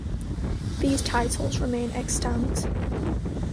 These titles remain extant.